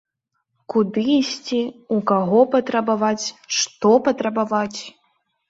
Куды ісці, у каго патрабаваць, што патрабаваць?!